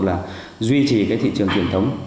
là duy trì cái thị trường truyền thống